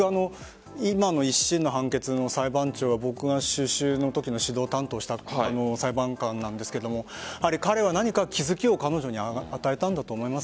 今の一審の判決の裁判長が僕が指導担当した裁判官なんですが彼は何か気付きを彼女に与えたと思います。